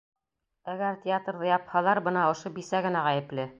Әгәр театрҙы япһалар, бына ошо бисә генә ғәйепле!